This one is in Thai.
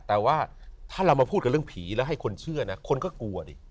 แต่ว่าถ้าเรามาพูดกับเรื่องผีแล้วให้คนเชื่อนะคนก็กลัวดิ